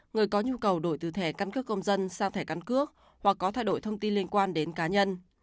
người có nhu cầu đổi từ thẻ căn cước công dân sang thẻ căn cước hoặc có thay đổi thông tin liên quan đến cá nhân